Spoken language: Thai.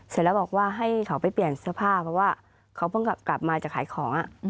เสร็จแล้วบอกว่าให้เขาไปเปลี่ยนสภาพเพราะว่าเขาเหมือนกับมาจะขายของ